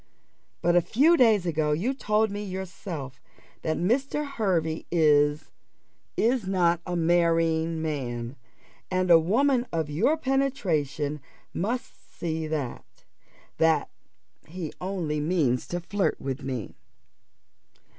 But a few days ago you told me yourself that Mr. Hervey is is not a marrying man; and a woman of your penetration must see that that he only means to flirt with me.